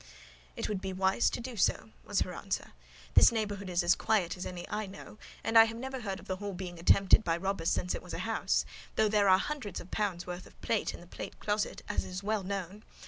"It will be wise so to do," was her answer: "this neighbourhood is as quiet as any I know, and I never heard of the hall being attempted by robbers since it was a house; though there are hundreds of pounds' worth of plate in the plate closet, as is well known.